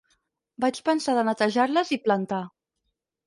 Vaig pensar de netejar-les i plantar.